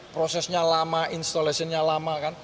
prosesnya lama installationnya lama